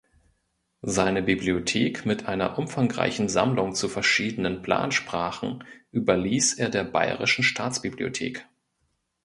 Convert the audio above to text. Seine Bibliothek mit einer umfangreichen Sammlung zu verschiedenen Plansprachen überließ er der Bayerischen Staatsbibliothek.